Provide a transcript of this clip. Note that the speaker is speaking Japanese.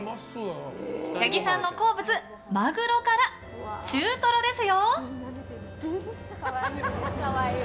八木さんの好物マグロから中トロですよ。